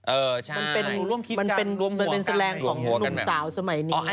เออใช่มันเป็นแสลงของหนุ่มสาวสมัยนี้รวมหัวกัน